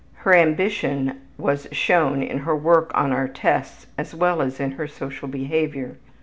Her ambition was shown in her work on our tests as well as in her social behavior.